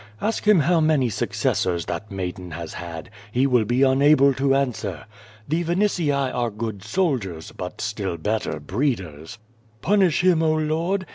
Ask him how many successors that maiden has had. He will be unable to answer. The Vinitii are good soldiers, but still better breeders, l^unish him, oh lord!